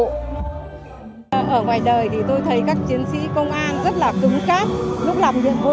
ở ngoài đời thì tôi thấy các chiến sĩ công an rất là cứng cắt